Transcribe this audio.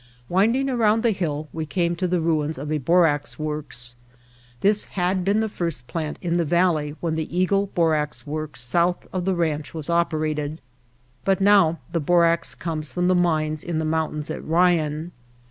Winding around the hill we came to the ruins of a borax works. This had been the first plant in the valley, then the Eagle Borax Works south of the ranch was operated, but now the borax comes from the mines in the mountains at Ryan.